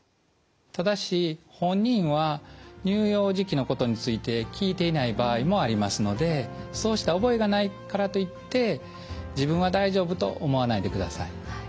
ただし本人は乳幼児期のことについて聞いていない場合もありますのでそうした覚えがないからといって自分は大丈夫と思わないでください。